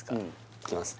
いきますね